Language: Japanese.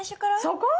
そこ？